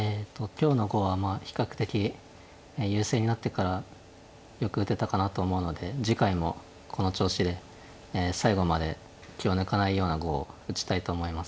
今日の碁は比較的優勢になってからよく打てたかなと思うので次回もこの調子で最後まで気を抜かないような碁を打ちたいと思います。